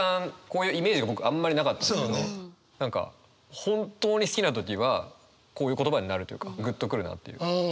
こういうイメージが僕あんまりなかったんですけど何か本当に好きな時はこういう言葉になるというかグッとくるなという。